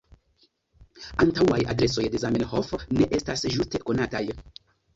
Antaŭaj adresoj de Zamenhof ne estas ĝuste konataj.